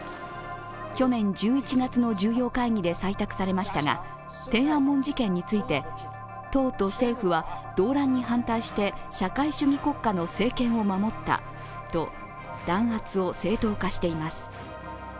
去年１１月の重要会議で採択されましたが、天安門事件について、党と政府は動乱に反対して社会主義国家の政権を守ったと弾圧を正当化しています。